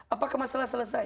apakah masalah selesai